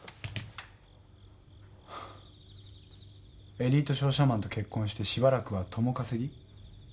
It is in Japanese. エリート商社マンと結婚してしばらくは共稼ぎ？